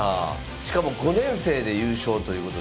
しかも５年生で優勝ということで。